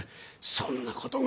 そんなことが。